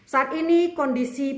saat ini kondisi pusat belanjaan